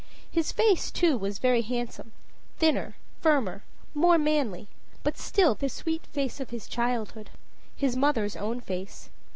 His face, too, was very handsome; thinner, firmer, more manly; but still the sweet face of his childhood his mother's own face.